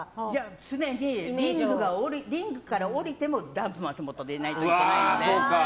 常にリングから降りてもダンプ松本でいないといけないので。